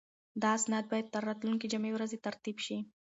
دا اسناد باید تر راتلونکې جمعې پورې ترتیب شي.